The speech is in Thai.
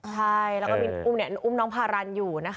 ใช่แล้วก็มีอุ้มเนี่ยอุ้มน้องภารรรณอยู่นะคะ